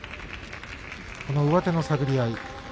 上手の探り合い。